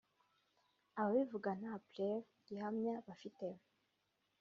Ababivuga nta preuve(gihamya) bafite